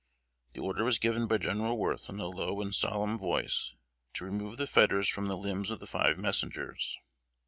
The order was given by General Worth in a low and solemn voice to remove the fetters from the limbs of the five messengers.